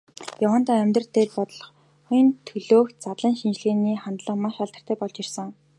Яваандаа амьдрал дээр, бодлогын төлөөх задлан шинжилгээний хандлага маш алдартай болж ирсэн.